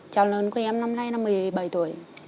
chào lớn của em năm nay là một mươi bảy tuổi